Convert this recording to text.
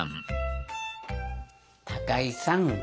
高井さん